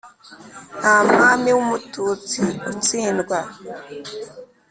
nta mwami w’umututsi utsindwa